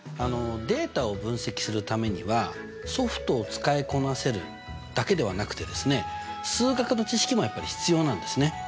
データを分析するためにはソフトを使いこなせるだけではなくて数学の知識もやっぱり必要なんですね。